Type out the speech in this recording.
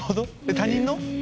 他人の？